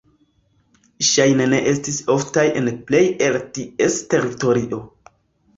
Ŝajne ne estis oftaj en plej el ties teritorio.